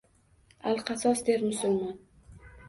Alqasos, der musulmon.